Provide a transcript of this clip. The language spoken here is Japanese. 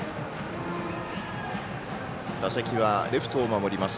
打席はレフトを守ります